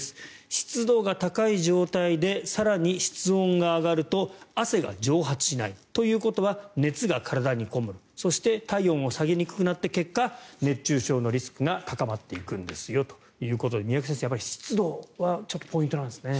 湿度が高い状態で更に室温が上がると汗が蒸発しない。ということは熱が体にこもるそして、体温を下げにくくなって結果、熱中症のリスクが高まっていくんですよということで三宅先生湿度はポイントなんですね。